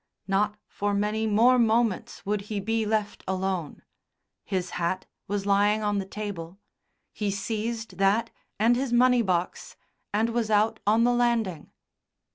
Not for many more moments would he be left alone. His hat was lying on the table; he seized that and his money box, and was out on the landing.